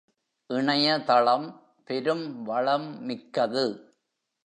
இணையதளம் பெரும் வளம் மிக்கது.